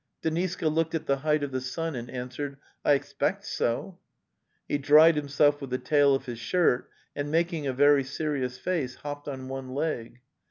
Deniska looked at the height of the sun and an swered: i wiexpect so: | He dried himself with the tail of his shirt and, making a very serious face, hopped on one leg.